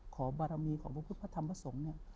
ขอบารมีของพระพุทธพระธรรมพระสงฆ์เนี่ย